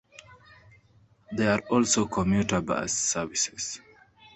There are also commuter bus services.